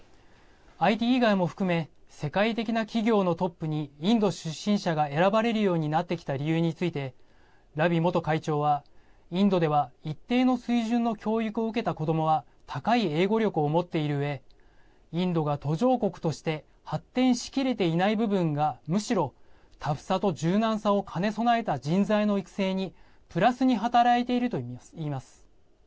ＩＴ以外も含め世界的な企業のトップにインド出身者が選ばれるようになってきた理由についてラビ元会長はインドでは一定の水準の教育を受けた子どもは高い英語力を持っているうえインドが途上国として発展しきれていない部分がむしろ、タフさと柔軟さを兼ね備えた人材の育成にプラスに働いているといいます。